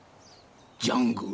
ジャングル？